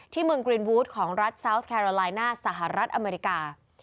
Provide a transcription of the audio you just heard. เมืองกรีนวูดของรัฐซาวสแคโรลายหน้าสหรัฐอเมริกา